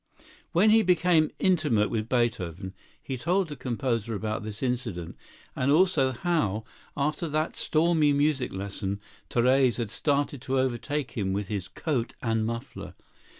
When he became intimate with Beethoven, he told the composer about this incident, and also how, after that stormy music lesson, Therese had started to overtake him with his coat and muffler.